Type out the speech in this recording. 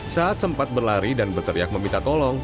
saat sempat berlari dan berteriak meminta tolong